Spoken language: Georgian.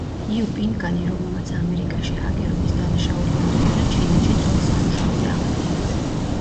იუ პინგანი, რომელმაც ამერიკაში ჰაკერობის დანაშაული აღიარა, ჩინეთში ძველ სამუშაოზე აღადგინეს.